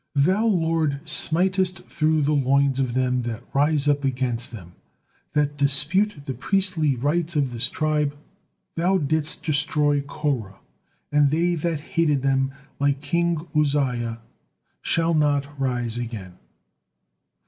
Thou, Lord, 'smitest through the loins of them that rise up against them' that dispute the priestly rights of this tribe, Thou didst destroy Korah, and they 'that hated them' like king Uzziah, 'shall not rise again.'